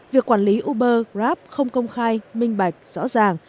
việc quản lý uber grab không công khai minh bạch rõ ràng